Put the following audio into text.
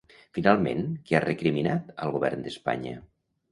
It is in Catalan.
Finalment, què ha recriminat al Govern d'Espanya?